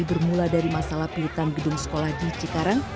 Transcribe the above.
bermula dari masalah pilitan gedung sekolah di cikarang